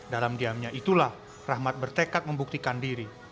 dalam diamnya itulah rahmat bertekad membuktikan diri